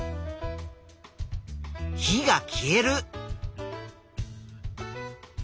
火が消える。